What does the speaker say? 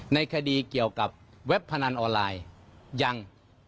ในคดีเกี่ยวกับเว็บพนันออนไลน์ยัง